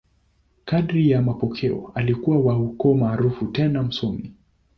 Kadiri ya mapokeo, alikuwa wa ukoo maarufu tena msomi.